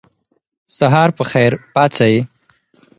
سهار به په خیر پاڅئ.